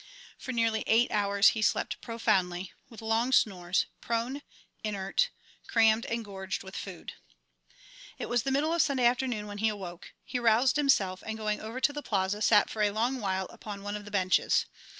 For nearly eight hours he slept profoundly, with long snores, prone, inert, crammed and gorged with food. It was the middle of Sunday afternoon when he awoke. He roused himself and going over to the Plaza sat for a long while upon one of the benches.